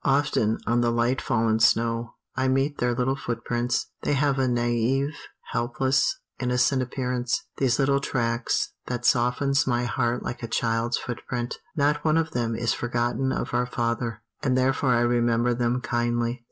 Often, on the light fallen snow, I meet their little footprints. They have a naive, helpless, innocent appearance, these little tracks, that softens my heart like a child's footprint. Not one of them is forgotten of our Father; and therefore I remember them kindly.